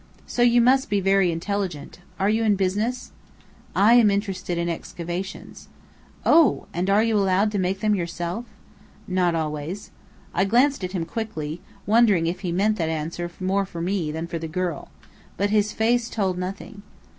So you must be very intelligent. Are you in business?" "I am interested in excavations." "Oh! And are you allowed to make them yourself?" "Not always." I glanced at him quickly, wondering if he meant that answer more for me than for the girl. But his face told nothing.